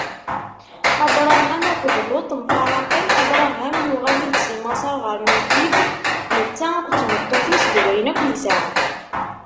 Abṛaham akked Luṭ mfaraqen Abṛaham yuɣal-d si Maṣer ɣer Nigib, netta akked tmeṭṭut-is d wayen akk yesɛa.